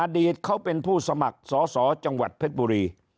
อดีตเขาเป็นผู้สมัครสอสอจังหวัดเพชรบุรี